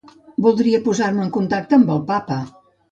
Voldria posar-me en contacte amb el papa.